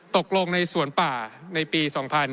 ตกลงในสวนป่าในปี๒๕๕๙